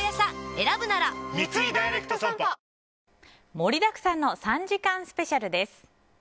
盛りだくさんの３時間スペシャルです。